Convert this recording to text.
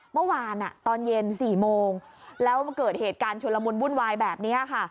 เมื่อวานตอนเย็น๔โมงแล้วมันเกิดเหตุการณ์ชุลมุนวุ่นวายแบบนี้ค่ะ